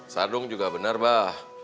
sardung juga bener bah